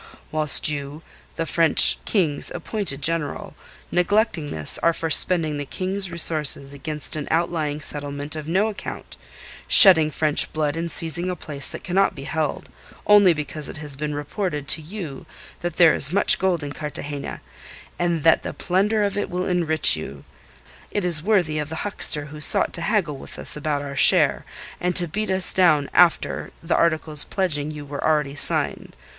Whilst you, the French King's appointed General, neglecting this, are for spending the King's resources against an outlying settlement of no account, shedding French blood in seizing a place that cannot be held, only because it has been reported to you that there is much gold in Cartagena, and that the plunder of it will enrich you. It is worthy of the huckster who sought to haggle with us about our share, and to beat us down after the articles pledging you were already signed.